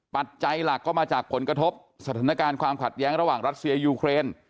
ปัจจัยหลักก็มาจากผลกระทบสถานการณ์ความขัดแย้งระหว่างรัสเซียยูเครน